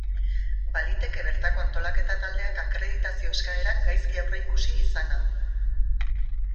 Baliteke bertako antolaketa taldeak akreditazio eskaerak gaizki aurreikusi izana.